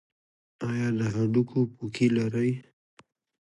ایا د هډوکو پوکي لرئ؟